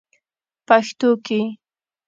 پښتو کې: